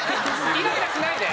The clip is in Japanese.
イライラしないで！